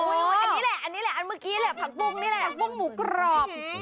อันนี้แหละอันนี้แหละอันเมื่อกี้แหละผักปุ้งนี่แหละปุ้งหมูกรอบ